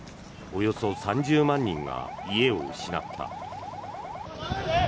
およそ３０万人が家を失った。